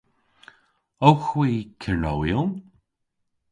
Owgh hwi Kernowyon?